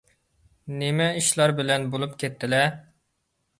نېمە ئىشلار بىلەن بولۇپ كەتتىلە؟